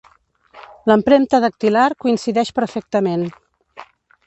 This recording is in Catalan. L'empremta dactilar coincideix perfectament.